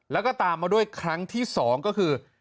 แล้วก็ตามมาด้วยครั้งที่๒ก็คือ